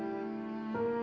aku selalu ituorar